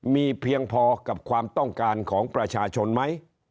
มีเพียงพอกับความต้องการของประชาชนไหม